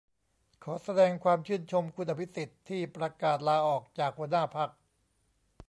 ขอแสดงความชื่นชมคุณอภิสิทธิ์ที่ประกาศลาออกจากหัวหน้าพรรค